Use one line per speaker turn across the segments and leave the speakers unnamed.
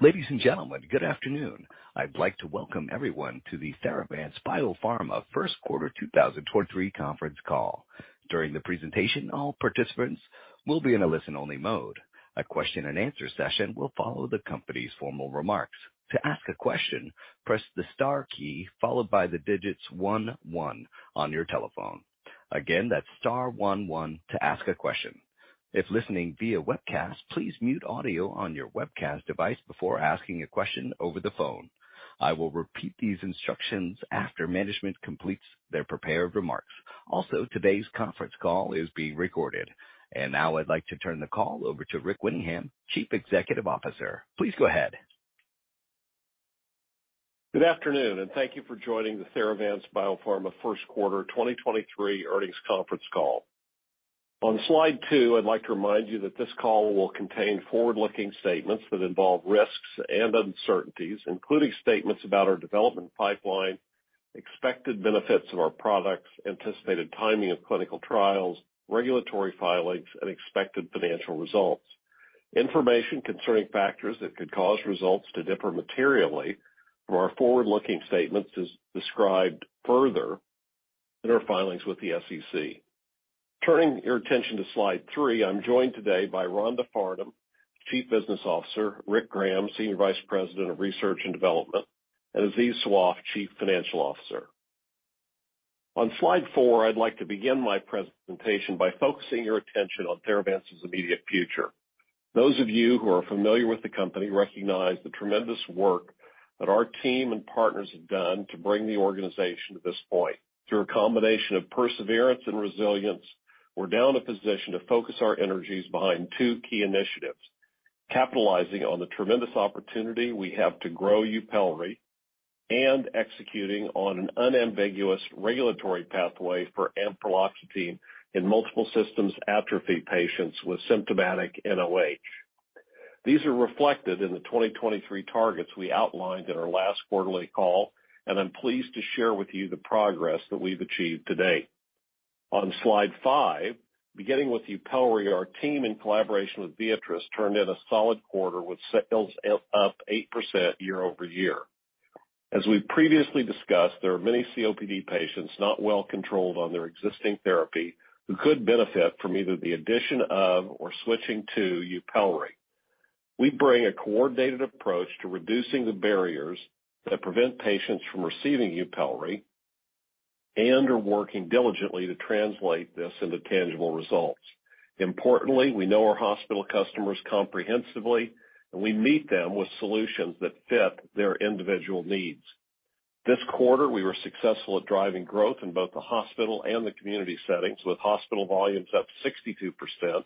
Ladies and gentlemen, good afternoon. I'd like to welcome everyone to the Theravance Biopharma Q1 2023 conference call. During the presentation, all participants will be in a listen-only mode. A question and answer session will follow the company's formal remarks. To ask a question, press the star key followed by the digits one one on your telephone. Again, that's star one one to ask a question. If listening via webcast, please mute audio on your webcast device before asking a question over the phone. I will repeat these instructions after management completes their prepared remarks. Also, today's conference call is being recorded. Now I'd like to turn the call over to Rick Winningham, Chief Executive Officer. Please go ahead.
Good afternoon, and thank you for joining the Theravance Biopharma Q1 2023 earnings conference call. On slide two, I'd like to remind you that this call will contain forward-looking statements that involve risks and uncertainties, including statements about our development pipeline, expected benefits of our products, anticipated timing of clinical trials, regulatory filings, and expected financial results. Information concerning factors that could cause results to differ materially from our forward-looking statements is described further in our filings with the SEC. Turning your attention to slide three. I'm joined today by Rhonda Farnum, Chief Business Officer, Rick Graham, Senior Vice President of Research and Development, and Aziz Sawaf, Chief Financial Officer. On slide four, I'd like to begin my presentation by focusing your attention on Theravance's immediate future. Those of you who are familiar with the company recognize the tremendous work that our team and partners have done to bring the organization to this point. Through a combination of perseverance and resilience, we're now in a position to focus our energies behind two key initiatives. Capitalizing on the tremendous opportunity we have to grow YUPELRI and executing on an unambiguous regulatory pathway for ampreloxetine in multiple system atrophy patients with symptomatic nOH. These are reflected in the 2023 targets we outlined in our last quarterly call. I'm pleased to share with you the progress that we've achieved to date. On slide five, beginning with YUPELRI, our team, in collaboration with Viatris, turned in a solid quarter with sales up 8% year-over-year. As we've previously discussed, there are many COPD patients not well controlled on their existing therapy who could benefit from either the addition of or switching to YUPELRI. We bring a coordinated approach to reducing the barriers that prevent patients from receiving YUPELRI and are working diligently to translate this into tangible results. Importantly, we know our hospital customers comprehensively, and we meet them with solutions that fit their individual needs. This quarter, we were successful at driving growth in both the hospital and the community settings, with hospital volumes up 62%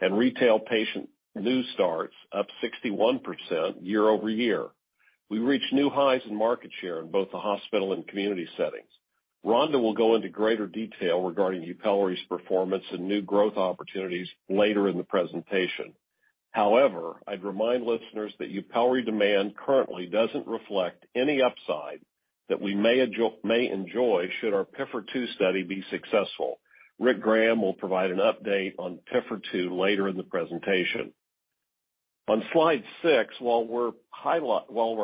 and retail patient new starts up 61% year-over-year. We reached new highs in market share in both the hospital and community settings. Rhonda will go into greater detail regarding YUPELRI's performance and new growth opportunities later in the presentation. I'd remind listeners that YUPELRI demand currently doesn't reflect any upside that we may enjoy should our PIFR-2 study be successful. Rick Graham will provide an update on PIFR-2 later in the presentation. On slide six, while we're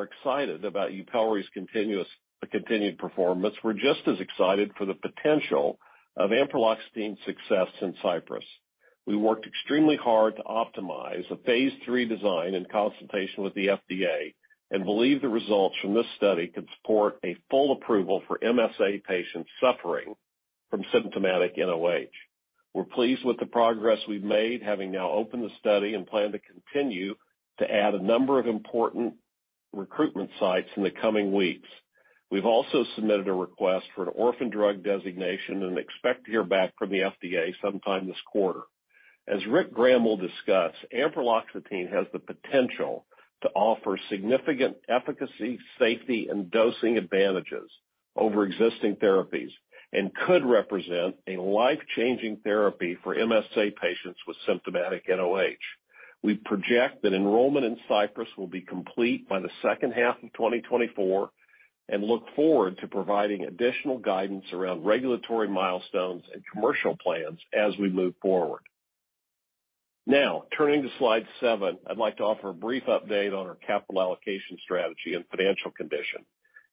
excited about YUPELRI's continued performance, we're just as excited for the potential of ampreloxetine success in CYPRESS. We worked extremely hard to optimize a phase III design in consultation with the FDA and believe the results from this study could support a full approval for MSA patients suffering from symptomatic nOH. We're pleased with the progress we've made, having now opened the study and plan to continue to add a number of important recruitment sites in the coming weeks. We've also submitted a request for an orphan drug designation and expect to hear back from the FDA sometime this quarter. As Rick Graham will discuss, ampreloxetine has the potential to offer significant efficacy, safety, and dosing advantages over existing therapies and could represent a life-changing therapy for MSA patients with symptomatic nOH. We project that enrollment in CYPRESS will be complete by the second half of 2024 and look forward to providing additional guidance around regulatory milestones and commercial plans as we move forward. Turning to slide seven. I'd like to offer a brief update on our capital allocation strategy and financial condition.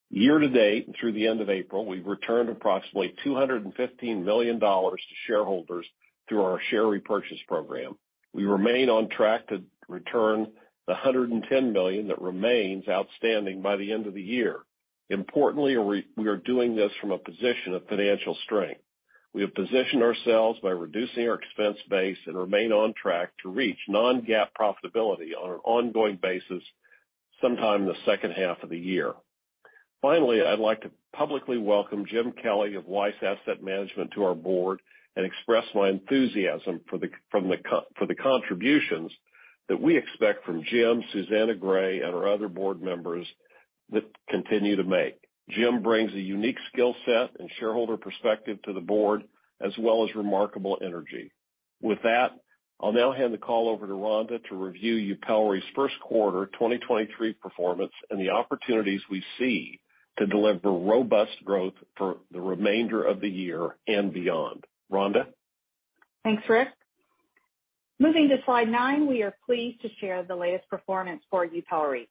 Year to date, and through the end of April, we've returned approximately $215 million to shareholders through our share repurchase program. We remain on track to return the $110 million that remains outstanding by the end of the year. We are doing this from a position of financial strength. We have positioned ourselves by reducing our expense base and remain on track to reach non-GAAP profitability on an ongoing basis sometime in the second half of the year. Finally, I'd like to publicly welcome Jim Kelly of Weiss Asset Management to our board and express my enthusiasm for the contributions that we expect from Jim, Susannah Gray, and our other board members, that continue to make. Jim brings a unique skill set and shareholder perspective to the board as well as remarkable energy. With that, I'll now hand the call over to Rhonda to review YUPELRI's Q1 2023 performance and the opportunities we see to deliver robust growth for the remainder of the year and beyond. Rhonda?
Thanks, Rick. Moving to slide nine. We are pleased to share the latest performance for YUPELRI.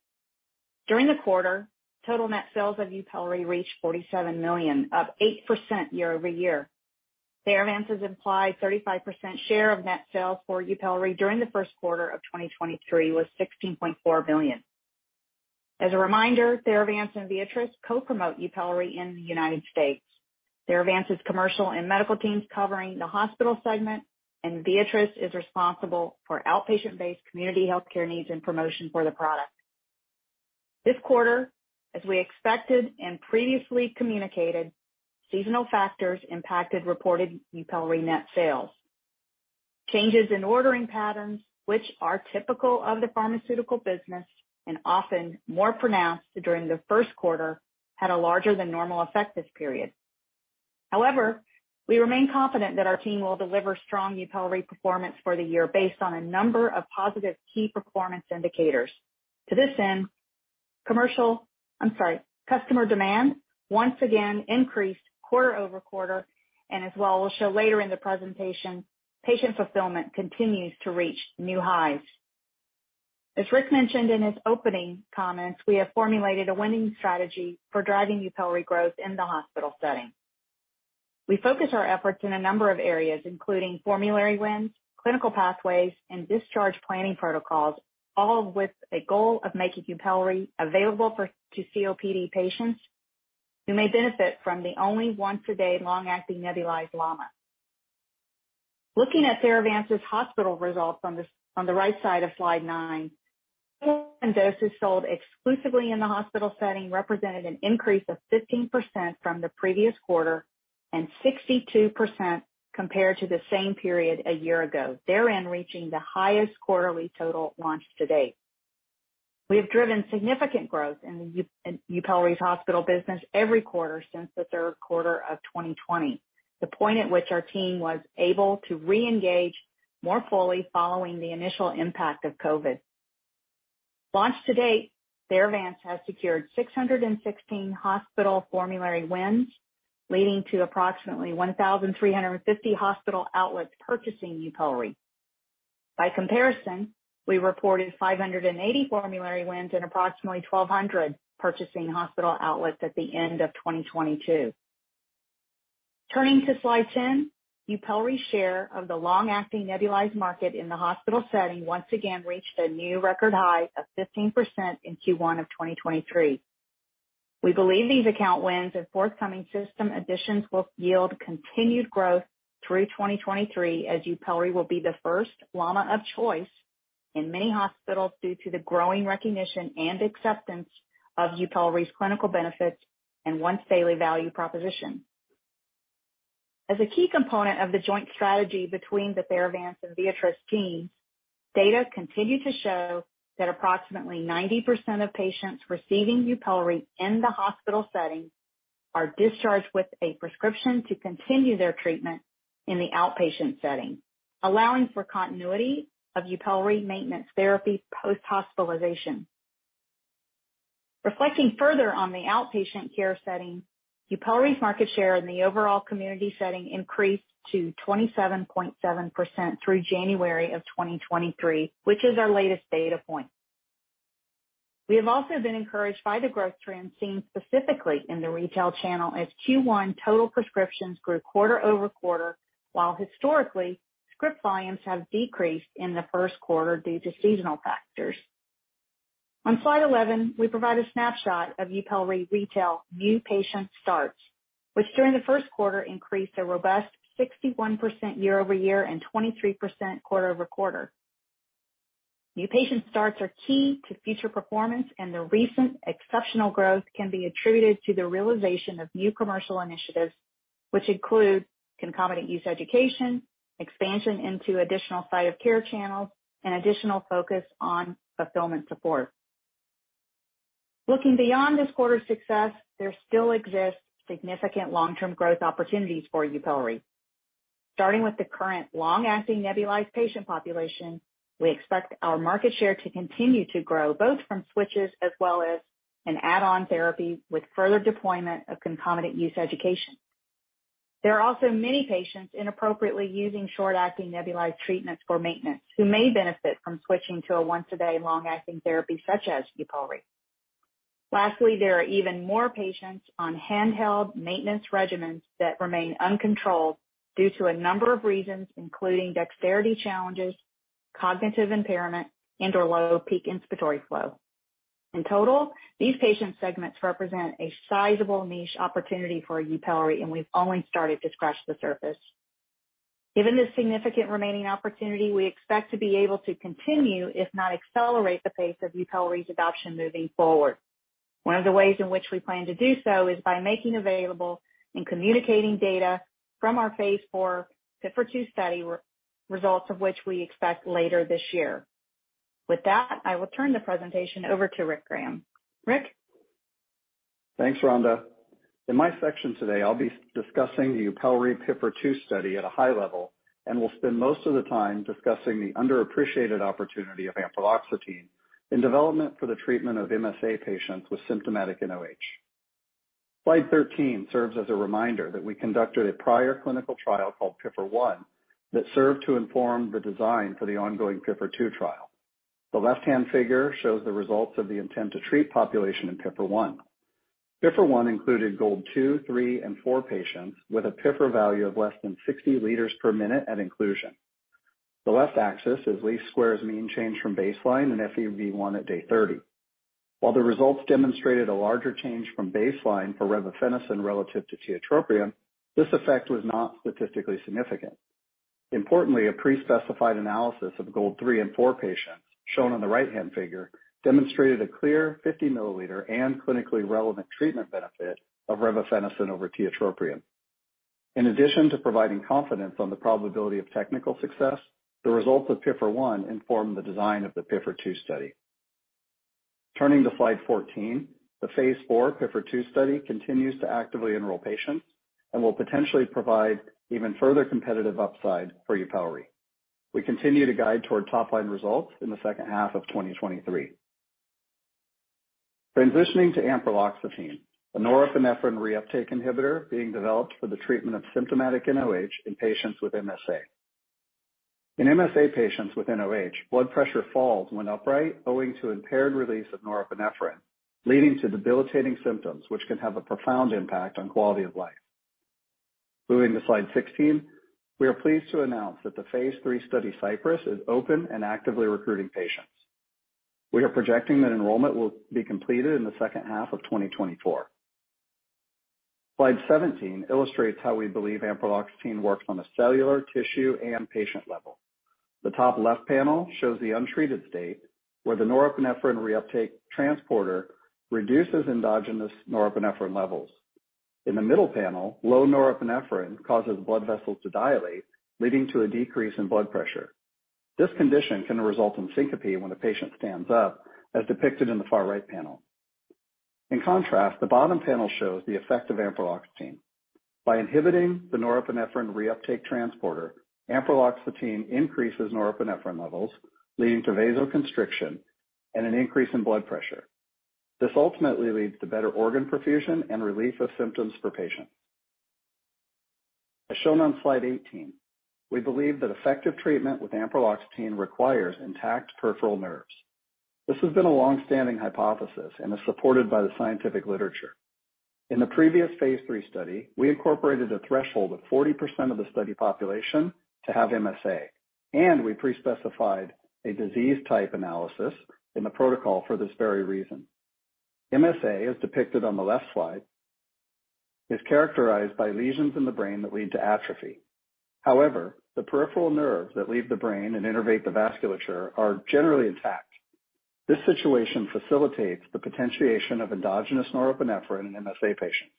During the quarter, total net sales of YUPELRI reached $47 million, up 8% year-over-year. Theravance's implied 35% share of net sales for YUPELRI during the Q1 of 2023 was $16.4 million. As a reminder, Theravance and Viatris co-promote YUPELRI in the United States. Theravance's commercial and medical teams covering the hospital segment, and Viatris is responsible for outpatient-based community healthcare needs and promotion for the product. This quarter, as we expected and previously communicated, seasonal factors impacted reported YUPELRI net sales. Changes in ordering patterns, which are typical of the pharmaceutical business and often more pronounced during the Q1, had a larger than normal effect this period. However, we remain confident that our team will deliver strong YUPELRI performance for the year based on a number of positive key performance indicators. To this end, I'm sorry. Customer demand once again increased quarter over quarter, and as well we'll show later in the presentation, patient fulfillment continues to reach new highs. As Rick mentioned in his opening comments, we have formulated a winning strategy for driving YUPELRI growth in the hospital setting. We focus our efforts in a number of areas, including formulary wins, clinical pathways, and discharge planning protocols, all with a goal of making YUPELRI available to COPD patients who may benefit from the only once-a-day long-acting nebulized LAMA. Looking at Theravance's hospital results on the right side of slide nine, doses sold exclusively in the hospital setting represented an increase of 15% from the previous quarter and 62% compared to the same period a year ago. Therein reaching the highest quarterly total launched to date. We have driven significant growth in Yupelri's hospital business every quarter since the Q3 of 2020. The point at which our team was able to reengage more fully following the initial impact of COVID. Launched to date, Theravance has secured 616 hospital formulary wins, leading to approximately 1,350 hospital outlets purchasing Yupelri. By comparison, we reported 580 formulary wins and approximately 1,200 purchasing hospital outlets at the end of 2022. Turning to slide 10. YUPELRI's share of the long-acting nebulized market in the hospital setting once again reached a new record high of 15% in Q1 of 2023. We believe these account wins and forthcoming system additions will yield continued growth through 2023, as YUPELRI will be the first LAMA of choice in many hospitals due to the growing recognition and acceptance of YUPELRI's clinical benefits and once daily value proposition. As a key component of the joint strategy between the Theravance and Viatris teams, data continue to show that approximately 90% of patients receiving YUPELRI in the hospital setting are discharged with a prescription to continue their treatment in the outpatient setting. Allowing for continuity of YUPELRI maintenance therapy post-hospitalization. Reflecting further on the outpatient care setting, YUPELRI's market share in the overall community setting increased to 27.7% through January of 2023, which is our latest data point. We have also been encouraged by the growth trend seen specifically in the retail channel as Q1 total prescriptions grew quarter-over-quarter, while historically, script volumes have decreased in the Q1 due to seasonal factors. On slide 11, we provide a snapshot of YUPELRI retail new patient starts, which during the Q1 increased a robust 61% year-over-year and 23% quarter-over-quarter. New patient starts are key to future performance, and the recent exceptional growth can be attributed to the realization of new commercial initiatives, which include concomitant use education, expansion into additional site of care channels, and additional focus on fulfillment support. Looking beyond this quarter's success, there still exists significant long-term growth opportunities for YUPELRI. Starting with the current long-acting nebulized patient population, we expect our market share to continue to grow, both from switches as well as an add-on therapy with further deployment of concomitant use education. There are also many patients inappropriately using short-acting nebulized treatments for maintenance who may benefit from switching to a once-a-day long-acting therapy such as YUPELRI. Lastly, there are even more patients on handheld maintenance regimens that remain uncontrolled due to a number of reasons, including dexterity challenges, cognitive impairment, and/or low peak inspiratory flow. In total, these patient segments represent a sizable niche opportunity for YUPELRI, and we've only started to scratch the surface. Given this significant remaining opportunity, we expect to be able to continue, if not accelerate, the pace of YUPELRI's adoption moving forward. One of the ways in which we plan to do so is by making available and communicating data from our phase IV PIFR-2 study re-results of which we expect later this year. With that, I will turn the presentation over to Rick Graham. Rick?
Thanks, Rhonda. In my section today, I'll be discussing the YUPELRI PIFR-2 study at a high level and will spend most of the time discussing the underappreciated opportunity of ampreloxetine in development for the treatment of MSA patients with symptomatic nOH. Slide 13 serves as a reminder that we conducted a prior clinical trial called PIFR-1 that served to inform the design for the ongoing PIFR-2 trial. The left-hand figure shows the results of the intent to treat population in PIFR-1. PIFR-1 included GOLD two, three, and four patients with a PIFR value of less than 60 liters per minute at inclusion. The left axis is least squares mean change from baseline and FEV1 at day 30. While the results demonstrated a larger change from baseline for revefenacin relative to tiotropium, this effect was not statistically significant. Importantly, a pre-specified analysis of GOLD 3 and 4 patients, shown on the right-hand figure, demonstrated a clear 50-milliliter and clinically relevant treatment benefit of revefenacin over tiotropium. In addition to providing confidence on the probability of technical success, the results of PIFR-1 informed the design of the PIFR-2 study. Turning to slide 14, the phase IV PIFR-2 study continues to actively enroll patients and will potentially provide even further competitive upside for YUPELRI. We continue to guide toward top-line results in the second half of 2023. Transitioning to ampreloxetine, a norepinephrine reuptake inhibitor being developed for the treatment of symptomatic nOH in patients with MSA. In MSA patients with nOH, blood pressure falls when upright owing to impaired release of norepinephrine, leading to debilitating symptoms which can have a profound impact on quality of life. Moving to slide 16, we are pleased to announce that the phase III study CYPRESS is open and actively recruiting patients. We are projecting that enrollment will be completed in the second half of 2024. Slide 17 illustrates how we believe ampreloxetine works on a cellular, tissue, and patient level. The top left panel shows the untreated state, where the norepinephrine reuptake transporter reduces endogenous norepinephrine levels. In the middle panel, low norepinephrine causes blood vessels to dilate, leading to a decrease in blood pressure. This condition can result in syncope when the patient stands up, as depicted in the far right panel. In contrast, the bottom panel shows the effect of ampreloxetine. By inhibiting the norepinephrine reuptake transporter, ampreloxetine increases norepinephrine levels, leading to vasoconstriction and an increase in blood pressure. This ultimately leads to better organ perfusion and relief of symptoms for patients. As shown on slide 18, we believe that effective treatment with ampreloxetine requires intact peripheral nerves. This has been a long-standing hypothesis and is supported by the scientific literature. In the previous phase III study, we incorporated a threshold of 40% of the study population to have MSA, and we pre-specified a disease type analysis in the protocol for this very reason. MSA, as depicted on the left slide, is characterized by lesions in the brain that lead to atrophy. However, the peripheral nerves that leave the brain and innervate the vasculature are generally intact. This situation facilitates the potentiation of endogenous norepinephrine in MSA patients.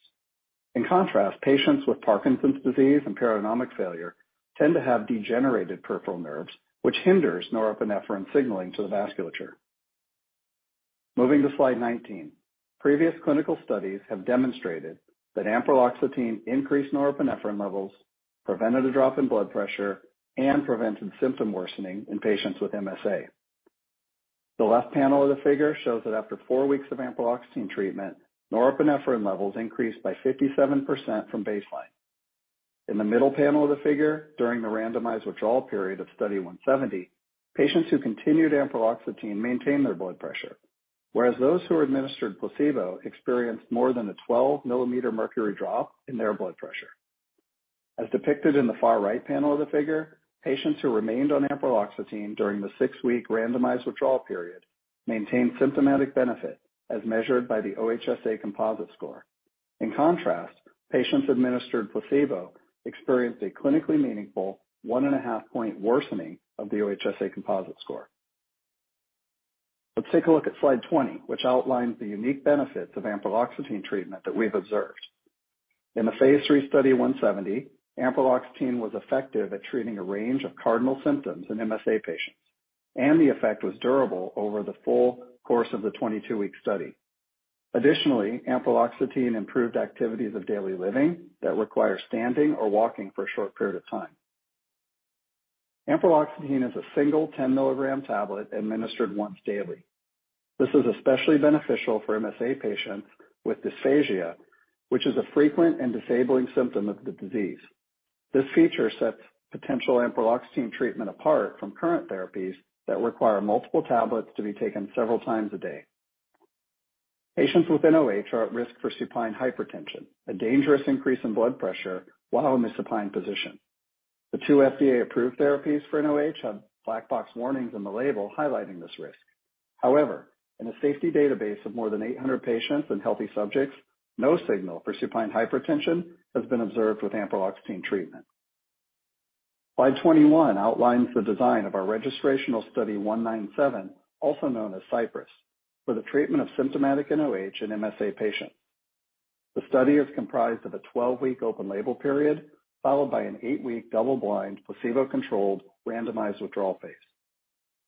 In contrast, patients with Parkinson's disease and autonomic failure tend to have degenerated peripheral nerves, which hinders norepinephrine signaling to the vasculature. Moving to slide 19. Previous clinical studies have demonstrated that ampreloxetine increased norepinephrine levels, prevented a drop in blood pressure, and prevented symptom worsening in patients with MSA. The left panel of the figure shows that after four weeks of ampreloxetine treatment, norepinephrine levels increased by 57% from baseline. In the middle panel of the figure, during the randomized withdrawal period of Study 170, patients who continued ampreloxetine maintained their blood pressure, whereas those who were administered placebo experienced more than a 12-millimeter mercury drop in their blood pressure. As depicted in the far right panel of the figure, patients who remained on ampreloxetine during the six-week randomized withdrawal period maintained symptomatic benefit, as measured by the OHSA composite score. In contrast, patients administered placebo experienced a clinically meaningful one and a half point worsening of the OHSA composite score. Let's take a look at slide 20, which outlines the unique benefits of ampreloxetine treatment that we've observed. In the phase III Study 170, ampreloxetine was effective at treating a range of cardinal symptoms in MSA patients, and the effect was durable over the full course of the 22-week study. Additionally, ampreloxetine improved activities of daily living that require standing or walking for a short period of time. Ampreloxetine is a single 10-milligram tablet administered once daily. This is especially beneficial for MSA patients with dysphagia, which is a frequent and disabling symptom of the disease. This feature sets potential ampreloxetine treatment apart from current therapies that require multiple tablets to be taken several times a day. Patients with nOH are at risk for supine hypertension, a dangerous increase in blood pressure while in the supine position. The two FDA-approved therapies for nOH have black box warnings in the label highlighting this risk. However, in a safety database of more than 800 patients and healthy subjects, no signal for supine hypertension has been observed with ampreloxetine treatment. Slide 21 outlines the design of our registrational Study 197, also known as CYPRESS, for the treatment of symptomatic nOH in MSA patients. The study is comprised of a 12-week open label period, followed by an eight-week double-blind, placebo-controlled randomized withdrawal phase.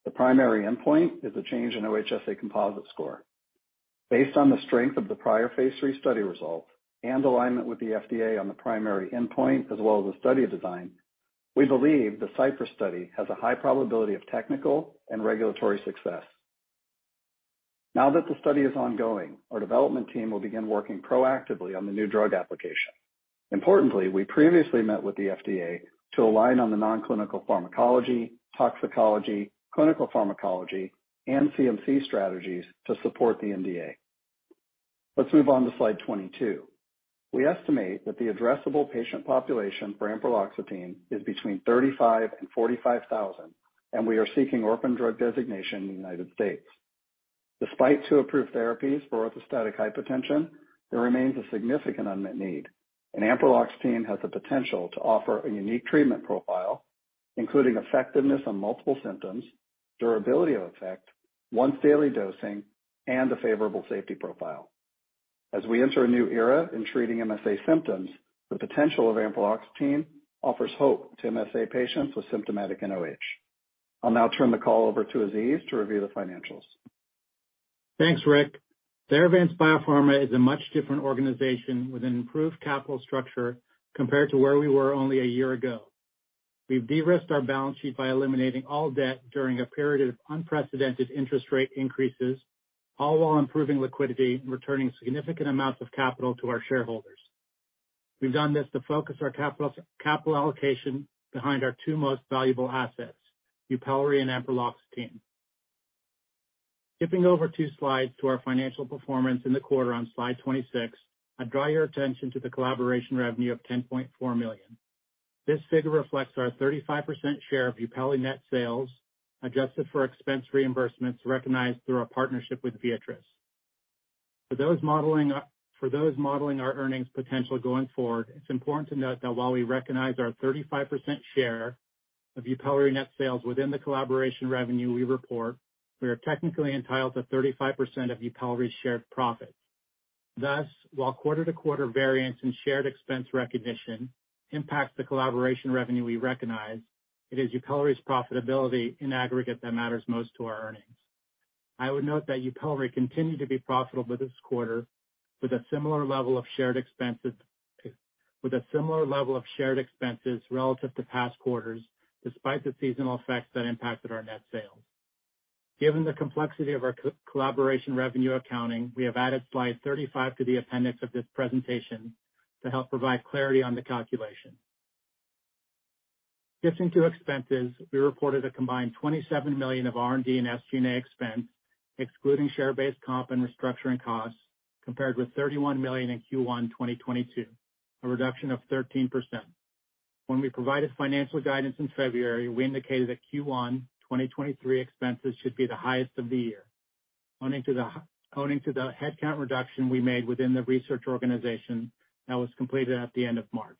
The primary endpoint is a change in OHSA composite score. Based on the strength of the prior phase III study results and alignment with the FDA on the primary endpoint as well as the study design, we believe the CYPRESS study has a high probability of technical and regulatory success. Now that the study is ongoing, our development team will begin working proactively on the new drug application. Importantly, we previously met with the FDA to align on the non-clinical pharmacology, toxicology, clinical pharmacology and CMC strategies to support the NDA. Let's move on to slide 22. We estimate that the addressable patient population for ampreloxetine is between 35,000 and 45,000, and we are seeking orphan drug designation in the United States. Despite two approved therapies for orthostatic hypotension, there remains a significant unmet need. Ampreloxetine has the potential to offer a unique treatment profile, including effectiveness on multiple symptoms, durability of effect, once daily dosing, and a favorable safety profile. As we enter a new era in treating MSA symptoms, the potential of ampreloxetine offers hope to MSA patients with symptomatic nOH. I'll now turn the call over to Aziz to review the financials.
Thanks, Rick. Theravance Biopharma is a much different organization with an improved capital structure compared to where we were only a year ago. We've de-risked our balance sheet by eliminating all debt during a period of unprecedented interest rate increases, all while improving liquidity and returning significant amounts of capital to our shareholders. We've done this to focus our capital allocation behind our 2 most valuable assets, YUPELRI and ampreloxetine. Skipping over two slides to our financial performance in the quarter on slide 26, I draw your attention to the collaboration revenue of $10.4 million. This figure reflects our 35% share of YUPELRI net sales, adjusted for expense reimbursements recognized through our partnership with Viatris. For those modeling our earnings potential going forward, it's important to note that while we recognize our 35% share of YUPELRI net sales within the collaboration revenue we report, we are technically entitled to 35% of YUPELRI's shared profits. Thus, while quarter-to-quarter variance in shared expense recognition impacts the collaboration revenue we recognize, it is YUPELRI's profitability in aggregate that matters most to our earnings. I would note that YUPELRI continued to be profitable this quarter with a similar level of shared expenses relative to past quarters, despite the seasonal effects that impacted our net sales. Given the complexity of our co-collaboration revenue accounting, we have added slide 35 to the appendix of this presentation to help provide clarity on the calculation. Skipping to expenses, we reported a combined $27 million of R&D and SG&A expense, excluding share-based comp and restructuring costs, compared with $31 million in Q1 2022, a reduction of 13%. When we provided financial guidance in February, we indicated that Q1 2023 expenses should be the highest of the year, owning to the headcount reduction we made within the research organization that was completed at the end of March.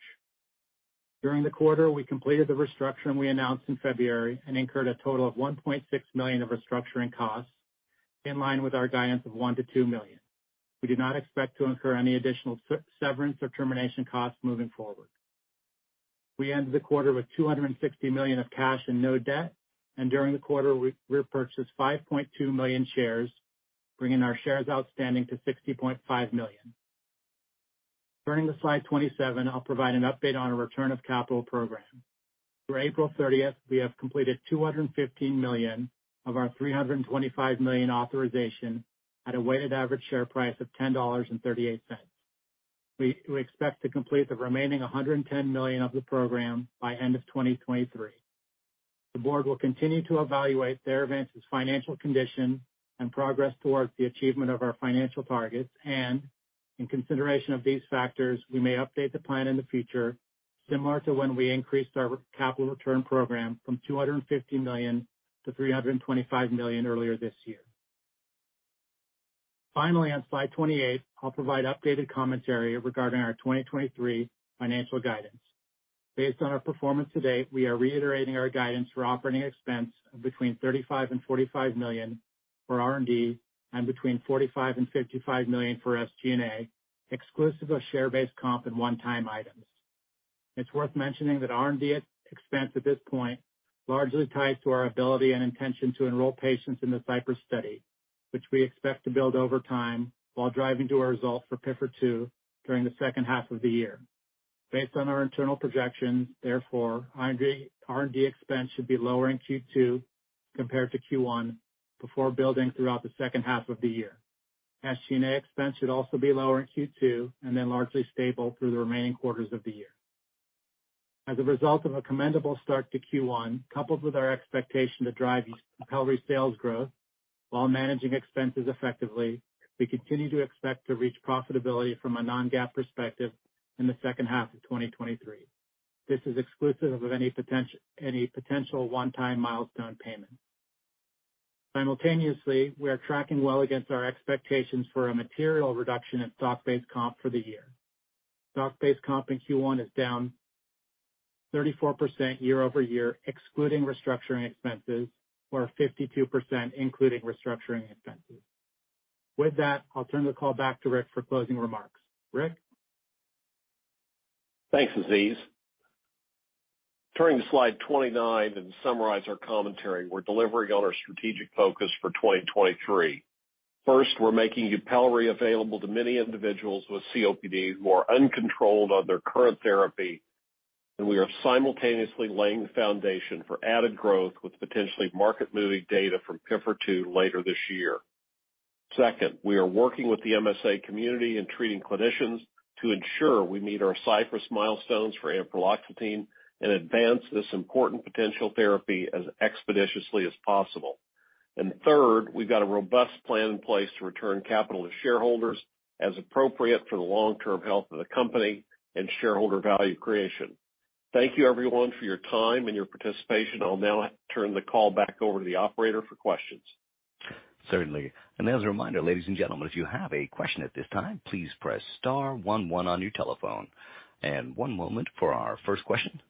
During the quarter, we completed the restructuring we announced in February and incurred a total of $1.6 million of restructuring costs, in line with our guidance of $1 million-$2 million. We do not expect to incur any additional severance or termination costs moving forward. We ended the quarter with $260 million of cash and no debt, and during the quarter we repurchased 5.2 million shares, bringing our shares outstanding to 60.5 million. Turning to slide 27, I'll provide an update on our return of capital program. Through April 30th, we have completed $215 million of our $325 million authorization at a weighted average share price of $10.38. We expect to complete the remaining $110 million of the program by end of 2023. The board will continue to evaluate Theravance's financial condition and progress towards the achievement of our financial targets, and in consideration of these factors, we may update the plan in the future, similar to when we increased our capital return program from $250 million to $325 million earlier this year. Finally, on slide 28, I'll provide updated commentary regarding our 2023 financial guidance. Based on our performance to date, we are reiterating our guidance for operating expense of between $35 million-$45 million for R&D and between $45 million-$55 million for SG&A, exclusive of share-based comp and one-time items. It's worth mentioning that R&D ex-expense at this point largely ties to our ability and intention to enroll patients in the CYPRESS study, which we expect to build over time while driving to a result for PIFR2 during the second half of the year. Based on our internal projections, therefore, R&D expense should be lower in Q2 compared to Q1 before building throughout the second half of the year. SG&A expense should also be lower in Q2 and then largely stable through the remaining quarters of the year. As a result of a commendable start to Q1, coupled with our expectation to drive YUPELRI sales growth while managing expenses effectively, we continue to expect to reach profitability from a non-GAAP perspective in the second half of 2023. This is exclusive of any potential one-time milestone payment. Simultaneously, we are tracking well against our expectations for a material reduction in stock-based comp for the year. Stock-based comp in Q1 is down 34% year-over-year, excluding restructuring expenses, or 52% including restructuring expenses. With that, I'll turn the call back to Rick for closing remarks. Rick?
Thanks, Aziz. Turning to slide 29 to summarize our commentary, we're delivering on our strategic focus for 2023. First, we're making YUPELRI available to many individuals with COPD who are uncontrolled on their current therapy.
We are simultaneously laying the foundation for added growth with potentially market-moving data from PIFR2 later this year. Second, we are working with the MSA community and treating clinicians to ensure we meet our CYPRESS milestones for ampreloxetine and advance this important potential therapy as expeditiously as possible. Third, we've got a robust plan in place to return capital to shareholders as appropriate for the long-term health of the company and shareholder value creation. Thank you, everyone, for your time and your participation. I'll now turn the call back over to the operator for questions.
Certainly. As a reminder, ladies and gentlemen, if you have a question at this time, please press star 11 on your telephone. One moment for our first question.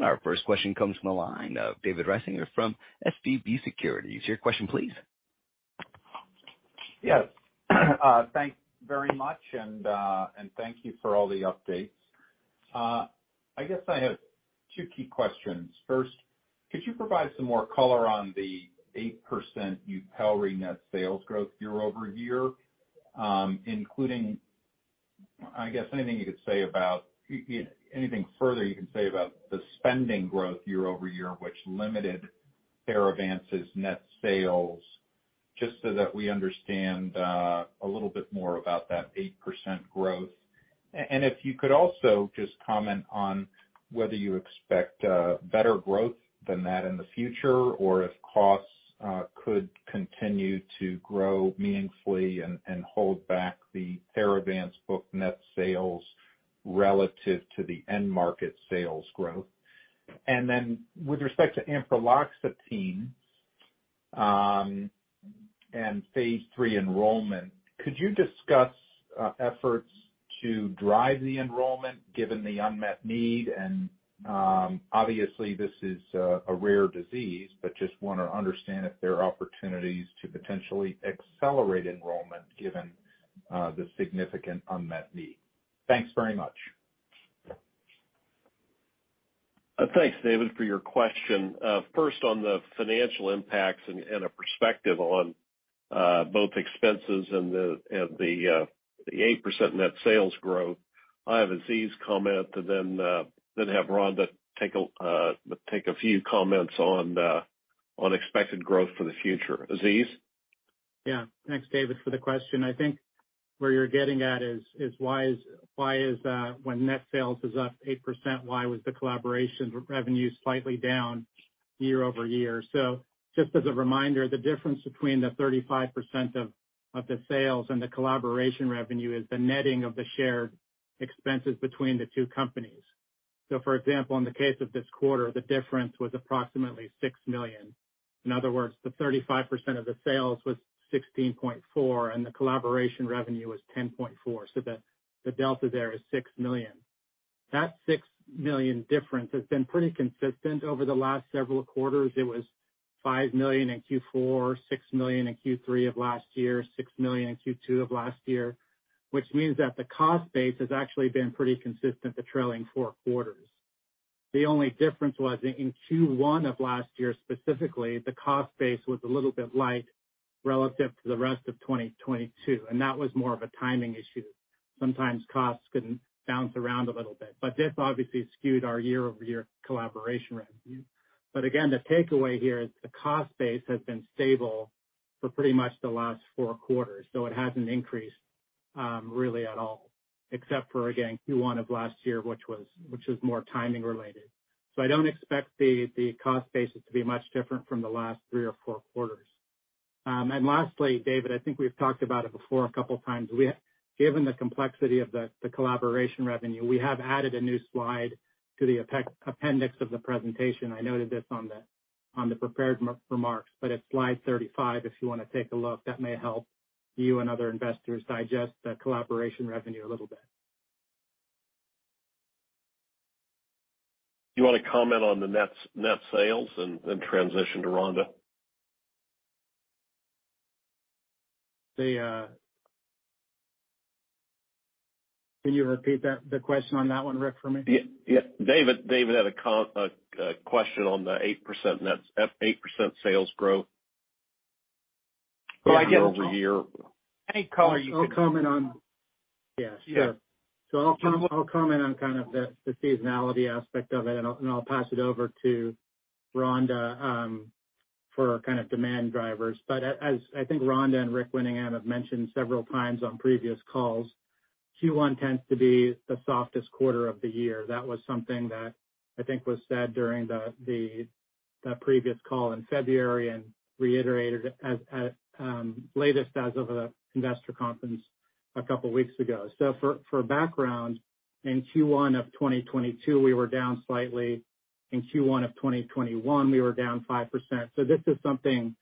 Our first question comes from the line of David Risinger from SVB Securities. Your question, please.
Yes. Thanks very much, and thank you for all the updates. I guess I have two key questions. First, could you provide some more color on the 8% YUPELRI net sales growth year-over-year? Including, I guess, anything further you can say about the spending growth year-over-year, which limited Theravance's net sales, just so that we understand a little bit more about that 8% growth. If you could also just comment on whether you expect better growth than that in the future, or if costs could continue to grow meaningfully and hold back the Theravance book net sales relative to the end market sales growth. With respect to ampreloxetine, and phase III enrollment, could you discuss efforts to drive the enrollment given the unmet need? Obviously, this is a rare disease, but just want to understand if there are opportunities to potentially accelerate enrollment given the significant unmet need. Thanks very much.
Thanks, David, for your question. First on the financial impacts and a perspective on, both expenses and the, and the 8% net sales growth. I'll have Aziz comment and then have Rhonda take a, take a few comments on expected growth for the future. Aziz?
Yeah. Thanks, David, for the question. I think where you're getting at is why is, when net sales is up 8%, why was the collaboration revenue slightly down year-over-year? Just as a reminder, the difference between the 35% of the sales and the collaboration revenue is the netting of the shared expenses between the two companies. For example, in the case of this quarter, the difference was approximately $6 million. In other words, the 35% of the sales was $16.4 million, and the collaboration revenue was $10.4 million. The delta there is $6 million. That $6 million difference has been pretty consistent over the last several quarters. It was $5 million in Q4, $6 million in Q3 of last year, $6 million in Q2 of last year, which means that the cost base has actually been pretty consistent the trailing four quarters. The only difference was in Q1 of last year, specifically, the cost base was a little bit light relative to the rest of 2022, that was more of a timing issue. Sometimes costs can bounce around a little bit, this obviously skewed our year-over-year collaboration revenue. Again, the takeaway here is the cost base has been stable for pretty much the last four quarters. It hasn't increased really at all except for again, Q1 of last year, which was more timing related. I don't expect the cost basis to be much different from the last three or four quarters. Lastly, David, I think we've talked about it before a couple of times. Given the complexity of the collaboration revenue, we have added a new slide to the appendix of the presentation. I noted this on the prepared remarks, but it's slide 35, if you wanna take a look. That may help you and other investors digest the collaboration revenue a little bit.
Do you wanna comment on the net sales and then transition to Rhonda?
The, Can you repeat that, the question on that one, Rick, for me?
Yeah. David had a question on the 8% sales growth year-over-year.
Any color you can?
I'll comment on...
Yeah. Sure.
Yeah.
I'll comment on kind of the seasonality aspect of it, and I'll pass it over to Rhonda for kind of demand drivers. As I think Rhonda and Rick Winningham have mentioned several times on previous calls, Q1 tends to be the softest quarter of the year. That was something that I think was said during the previous call in February and reiterated as latest as of the investor conference a couple weeks ago. For background, in Q1 of 2022, we were down slightly. In Q1 of 2021, we were down 5%. This is something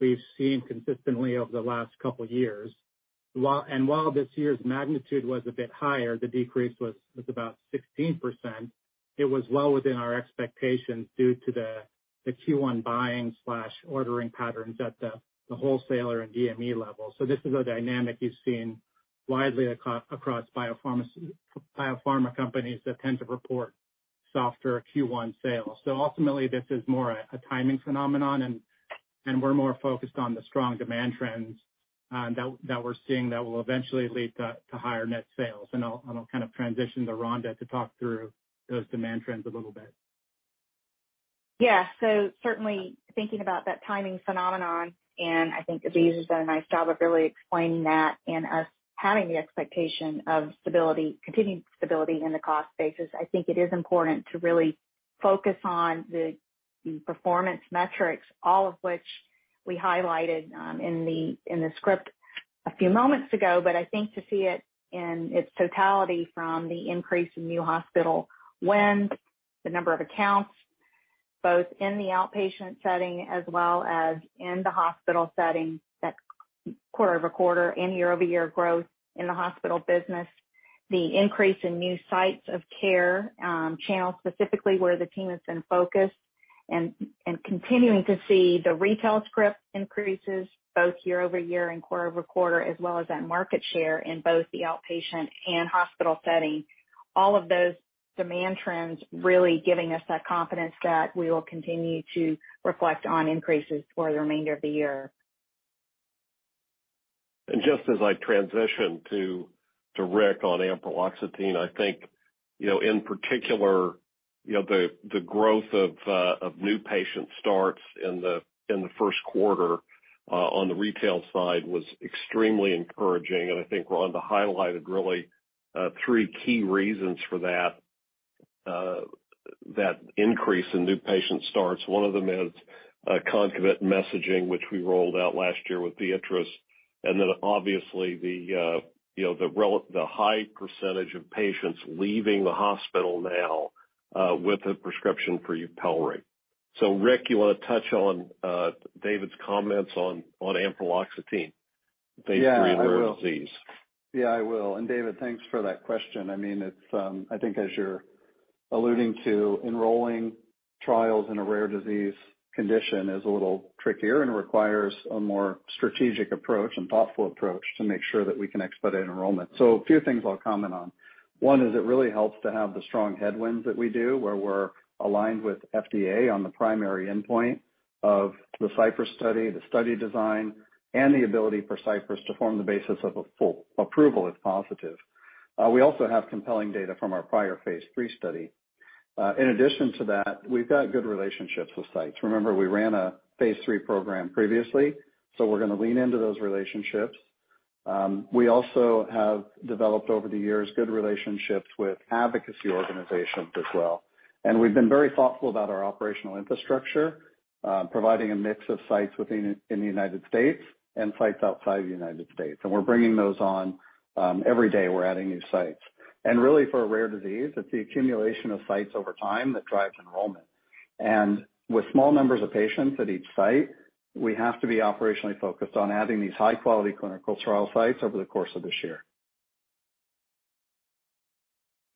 we've seen consistently over the last couple years. While this year's magnitude was a bit higher, the decrease was about 16%. It was low within our expectations due to the Q1 buying/ordering patterns at the wholesaler and DME level. This is a dynamic you've seen widely across biopharma companies that tend to report.
-softer Q1 sales. Ultimately this is more a timing phenomenon, and we're more focused on the strong demand trends that we're seeing that will eventually lead to higher net sales. I'll kind of transition to Rhonda to talk through those demand trends a little bit.
Yeah. Certainly thinking about that timing phenomenon, and I think Aziz Sawaf has done a nice job of really explaining that and us having the expectation of stability, continuing stability in the cost basis. I think it is important to really focus on the performance metrics, all of which we highlighted, in the, in the script a few moments ago. I think to see it in its totality from the increase in new hospital wins, the number of accounts, both in the outpatient setting as well as in the hospital setting, that quarter-over-quarter and year-over-year growth in the hospital business. The increase in new sites of care, channels specifically where the team has been focused and continuing to see the retail script increases both year-over-year and quarter-over-quarter, as well as that market share in both the outpatient and hospital setting. All of those demand trends really giving us that confidence that we will continue to reflect on increases for the remainder of the year.
Just as I transition to Rick on ampreloxetine, I think, you know, in particular, you know, the growth of new patient starts in the first quarter on the retail side was extremely encouraging. I think Rhonda highlighted really three key reasons for that. That increase in new patient starts. One of them is concomitant messaging, which we rolled out last year with the interest. Obviously the, you know, the high percentage of patients leaving the hospital now with a prescription for YUPELRI. Rick, you wanna touch on David's comments on ampreloxetine.
Yeah, I will.
phase III rare disease?
Yeah, I will. David, thanks for that question. I mean, it's I think as you're alluding to enrolling trials in a rare disease condition is a little trickier and requires a more strategic approach and thoughtful approach to make sure that we can expedite enrollment. A few things I'll comment on. One is it really helps to have the strong headwinds that we do, where we're aligned with FDA on the primary endpoint of the CYPRESS study, the study design, and the ability for CYPRESS to form the basis of a full approval if positive. We also have compelling data from our prior phase III study. In addition to that, we've got good relationships with sites. Remember, we ran a phase III program previously, so we're gonna lean into those relationships. We also have developed over the years good relationships with advocacy organizations as well. We've been very thoughtful about our operational infrastructure, providing a mix of sites in the United States and sites outside the United States. We're bringing those on. Every day, we're adding new sites. Really for a rare disease, it's the accumulation of sites over time that drives enrollment. With small numbers of patients at each site, we have to be operationally focused on adding these high quality clinical trial sites over the course of this year.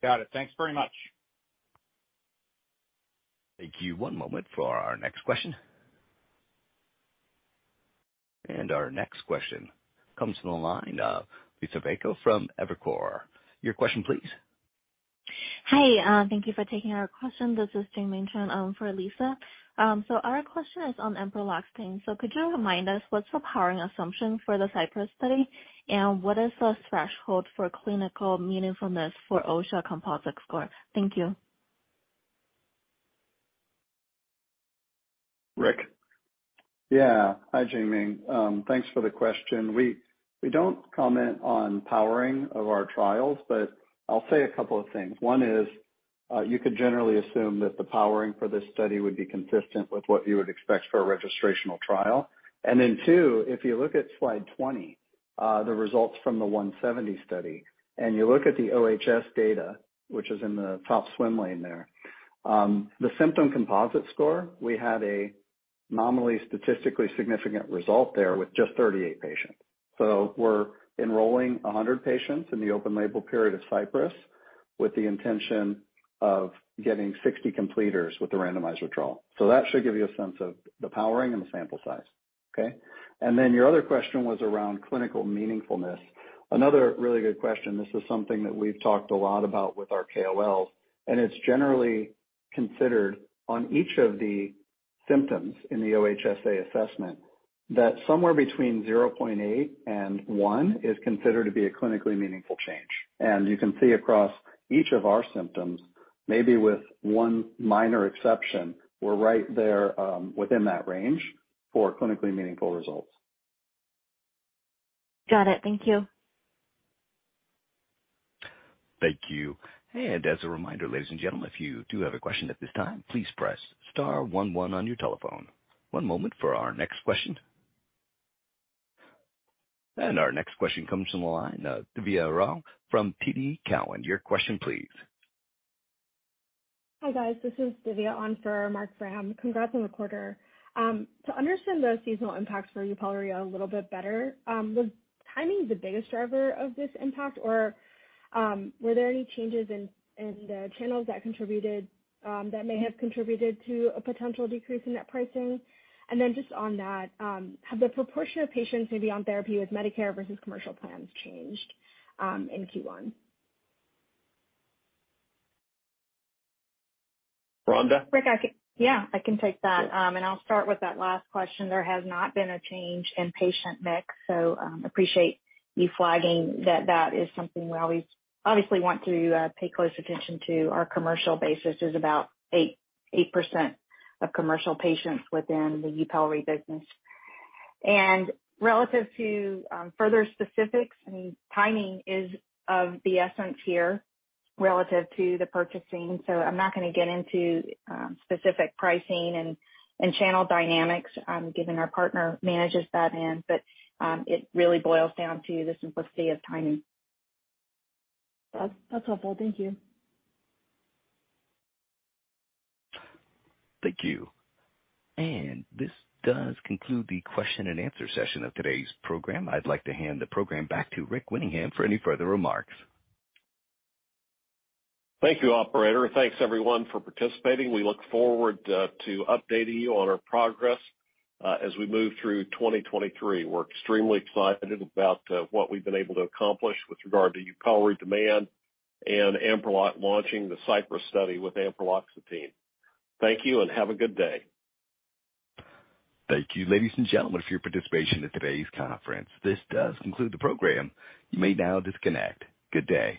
Got it. Thanks very much.
Thank you. One moment for our next question. Our next question comes from the line of Liisa Bayko from Evercore. Your question please.
Hi. Thank you for taking our question. This is Jamie Chen, for Liisa. Our question is on ampreloxetine. Could you remind us what's the powering assumption for the CYPRESS study, and what is the threshold for clinical meaningfulness for OHSA composite score? Thank you.
Rick.
Yeah. Hi, Jamie. Thanks for the question. We don't comment on powering of our trials, but I'll say a couple of things. One is, you could generally assume that the powering for this study would be consistent with what you would expect for a registrational trial. Two, if you look at slide 20, the results from the Study 170, and you look at the OHS data, which is in the top swim lane there. The symptom composite score, we had a nominally statistically significant result there with just 38 patients. We're enrolling 100 patients in the open label period of CYPRESS with the intention of getting 60 completers with the randomized withdrawal. That should give you a sense of the powering and the sample size. Okay? Your other question was around clinical meaningfulness. Another really good question. This is something that we've talked a lot about with our KOLs, and it's generally considered on each of the symptoms in the OHSA assessment that somewhere between 0.8 and 1 is considered to be a clinically meaningful change. You can see across each of our symptoms, maybe with one minor exception, we're right there, within that range for clinically meaningful results.
Got it. Thank you.
Thank you. As a reminder, ladies and gentlemen, if you do have a question at this time, please press star one one on your telephone. One moment for our next question. Our next question comes from the line of Divya Rao from TD Cowen. Your question please.
Hi, guys. This is Divya on for Marc Frahm. Congrats on the quarter. To understand the seasonal impacts for YUPELRI a little bit better, was timing the biggest driver of this impact? Were there any changes in the channels that contributed that may have contributed to a potential decrease in net pricing? Just on that, have the proportion of patients maybe on therapy with Medicare versus commercial plans changed in Q1?
Rhonda.
Rick, Yeah, I can take that. I'll start with that last question. There has not been a change in patient mix, so, appreciate you flagging that that is something we always obviously want to pay close attention to. Our commercial basis is about 8% of commercial patients within the YUPELRI business. Relative to further specifics, I mean, timing is of the essence here relative to the purchasing, so I'm not gonna get into specific pricing and channel dynamics, given our partner manages that end. It really boils down to the simplicity of timing.
That's helpful. Thank you.
Thank you. This does conclude the question and answer session of today's program. I'd like to hand the program back to Rick Winningham for any further remarks.
Thank you, operator. Thanks everyone for participating. We look forward to updating you on our progress as we move through 2023. We're extremely excited about what we've been able to accomplish with regard to YUPELRI demand and ampreloxetine launching the CYPRESS study with ampreloxetine. Thank you and have a good day.
Thank you, ladies and gentlemen, for your participation in today's conference. This does conclude the program. You may now disconnect. Good day.